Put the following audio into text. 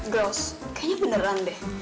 girls kayaknya beneran deh